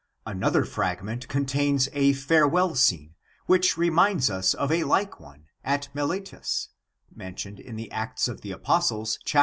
Another fragment contains a farewell scene, which re minds us of a like one, at Miletus, mentioned in the Acts of the Apostles, chap.